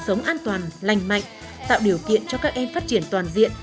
sống an toàn lành mạnh tạo điều kiện cho các em phát triển toàn diện